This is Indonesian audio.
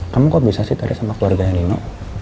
kamu kok bisa sih tadi sama keluarganya nino